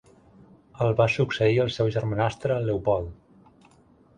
El va succeir el seu germanastre, Leopold.